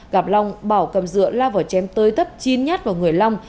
gặp long bảo cầm dựa lao vào chém tới tấp chín nhát vào người long